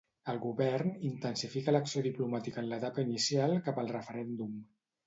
El govern intensifica l'acció diplomàtica en l'etapa inicial cap al referèndum.